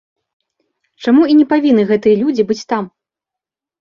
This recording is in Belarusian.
Чаму і не павінны гэтыя людзі быць там?